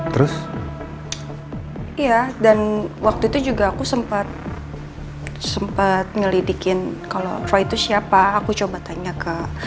terus iya dan waktu itu juga aku sempat ngelidikin kalau fro itu siapa aku coba tanya ke